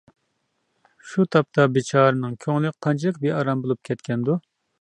شۇ تاپتا بىچارىنىڭ كۆڭلى قانچىلىك بىئارام بولۇپ كەتكەندۇ.